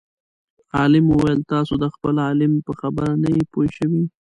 عالم وویل تاسو د خپل عالم په خبره نه یئ پوه شوي.